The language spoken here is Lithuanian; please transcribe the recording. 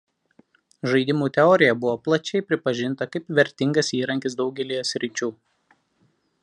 Žaidimų teorija buvo plačiai pripažinta kaip vertingas įrankis daugelyje sričių.